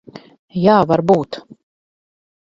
Jā, varbūt.